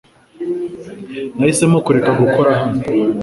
Nahisemo kureka gukora hano .